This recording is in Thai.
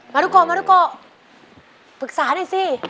มารุโกะฝึกษาหน่อยสิ